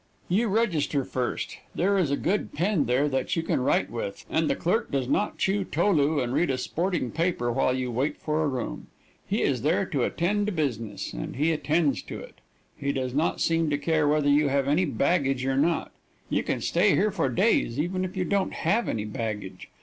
You register first. There is a good pen there that you can write with, and the clerk does not chew tolu and read a sporting paper while you wait for a room. He is there to attend to business, and he attends to it. He does not seem to care whether you have any baggage or not. You can stay here for days, even if you don't have any baggage.